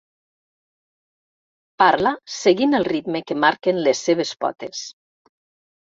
Parla seguint el ritme que marquen les seves potes.